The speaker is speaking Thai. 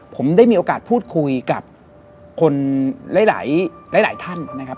ผมได้มีโอกาสพูดคุยกับคนหลายท่านนะครับ